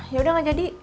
ya udah gak jadi